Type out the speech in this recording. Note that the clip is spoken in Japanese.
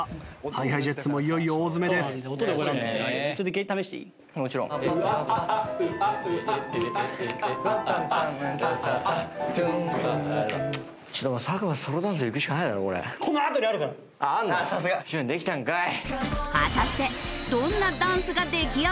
はい！